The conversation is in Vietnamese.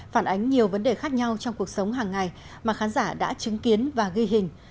phản ánh nhiều vấn đề khác nhau trong cuộc sống hàng ngày mà khán giả đã chứng kiến và ghi hình